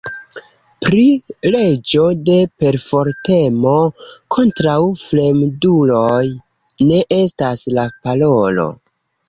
Pri reĝo de perfortemo kontraŭ fremduloj ne estas la parolo.